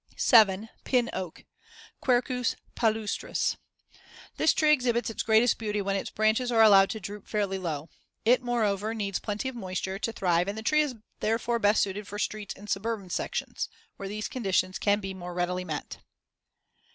7. Pin oak (Quercus palustris) This tree exhibits its greatest beauty when its branches are allowed to droop fairly low. It, moreover, needs plenty of moisture to thrive and the tree is therefore best suited for streets in suburban sections, where these conditions can be more readily met.